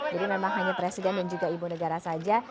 jadi memang hanya presiden dan juga ibu negara saja